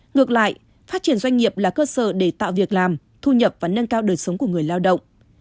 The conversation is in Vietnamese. ngược lại phát triển doanh nghiệp là cơ sở để tạo việc làm thu nhập và nâng cao đời sống của người lao động